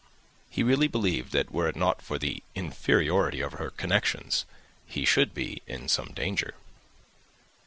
He really believed that, were it not for the inferiority of her connections, he should be in some danger.